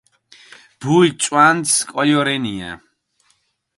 ბული წვანც კოლო რენია